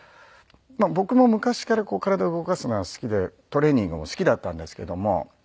僕も昔から体動かすのが好きでトレーニングも好きだったんですけども。